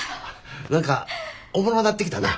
何かおもろなってきたな。